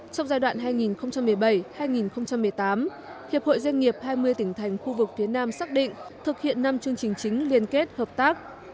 trong giai đoạn hai nghìn một mươi bảy hai nghìn một mươi tám hiệp hội doanh nghiệp hai mươi tỉnh thành khu vực phía nam xác định thực hiện năm chương trình chính liên kết hợp tác